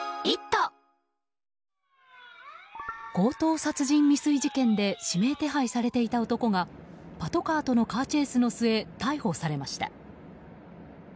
強盗殺人未遂事件で指名手配されていた男がパトカーとのカーチェイスの末逮捕されました。